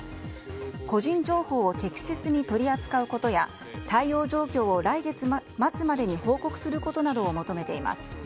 個人情報を適切に取り扱うことや対応状況を来月末までに報告することなどを求めています。